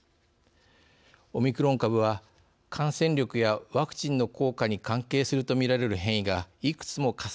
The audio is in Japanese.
オミクロン株は感染力やワクチンの効果に関係するとみられる変異がいくつも重なっています。